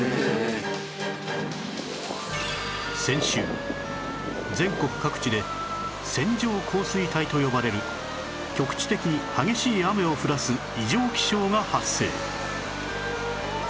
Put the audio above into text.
先週全国各地で線状降水帯と呼ばれる局地的に激しい雨を降らす異常気象が発生